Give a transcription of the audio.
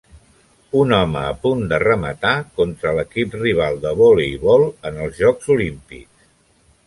Un home a punt de rematar contra l'equip rival de voleibol en els Jocs Olímpics.